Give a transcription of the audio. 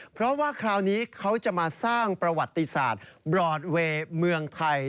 เพราะว่าคราวนี้เขาจะมาสร้างประวัติศาสตร์บรอดเวย์เมืองไทย